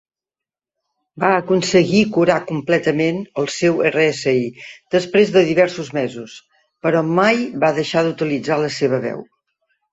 Va aconseguir curar completament el seu RSI després de diversos mesos, però mai va deixar d'utilitzar la seva veu.